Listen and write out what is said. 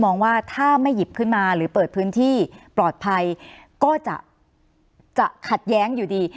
มองว่าถ้าไม่หยิบขึ้นมาหรือเปิดพื้นที่ปลอดภัยก็จะขัดแย้งอยู่ดี